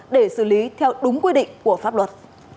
để xử lý theo đúng quy định của pháp luật